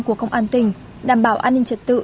của công an tỉnh đảm bảo an ninh trật tự